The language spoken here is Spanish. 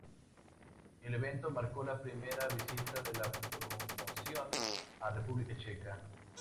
El evento marcó la primera visita de la promoción a República Checa.